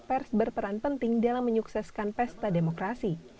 pers berperan penting dalam menyukseskan pesta demokrasi